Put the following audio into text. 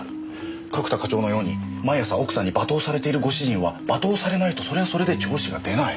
角田課長のように毎朝奥さんに罵倒されているご主人は罵倒されないとそれはそれで調子が出ない。